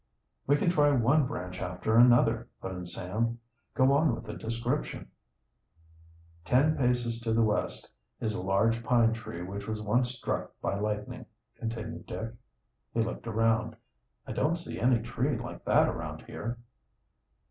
"We can try one branch after another," put in Sam. "Go on with the description." "'Ten paces to the west is a large pine tree which was once struck by lightning,'" continued Dick. He looked around. "I don't see any tree like that around here."